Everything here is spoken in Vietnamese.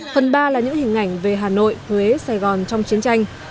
phần ba là những hình ảnh về hà nội huế sài gòn trong chiến tranh